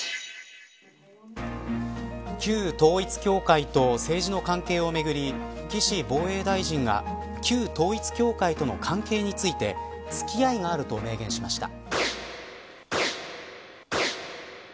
旧統一教会と政治の関係をめぐり岸防衛大臣が旧統一教会との関係について付き合いがあると明言しました。